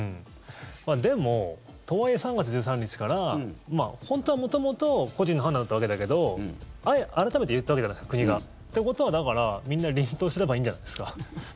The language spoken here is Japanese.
でも、とはいえ３月１３日から本当は元々個人の判断だったわけだけど改めて言ったわけだから。国が。ということは、だからみんな、りんとすればいいんじゃないですか？